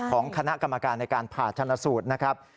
ของคณะกรรมการในการผ่าชนสูตรนะครับ